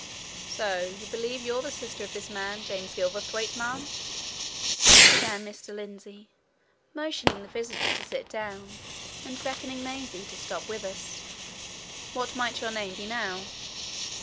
"So you believe you're the sister of this man James Gilverthwaite, ma'am?" began Mr. Lindsey, motioning the visitor to sit down, and beckoning Maisie to stop with us. "What might your name be, now?"